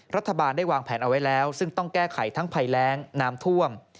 รัฐบาลได้วางแผนเอาไว้แล้วซึ่งต้องแก้ไขทั้งภัยแรงน้ำท่วม